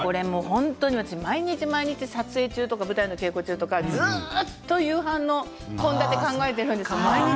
私、毎日毎日撮影中とか舞台の稽古とか夕飯の献立を考えているんですね。